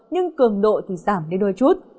nhưng cường độ thì giảm đến đôi chút